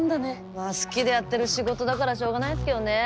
まあ好きでやってる仕事だからしょうがないっすけどね。